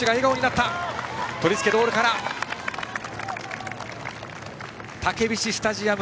たけびしスタジアム